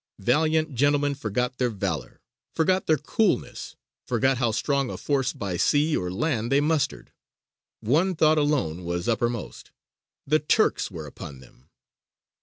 Valiant gentlemen forgot their valour, forgot their coolness, forgot how strong a force by sea or land they mustered: one thought alone was uppermost the Turks were upon them!